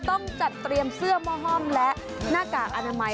ต้องจัดเตรียมเสื้อหม้อห้อมและหน้ากากอนามัย